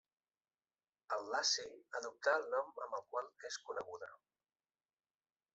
Al Laci adoptà el nom amb el qual és coneguda.